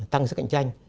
tăng sức cạnh tranh